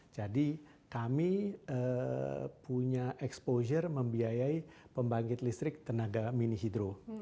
jadi kami punya exposure membiayai pembangkit listrik tenaga mini hidro